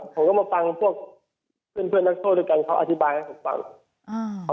เขาก็มาฟังพวกเพื่อนเพื่อนนักโทษด้วยกันเขาอธิบายให้ผมฟังอ่า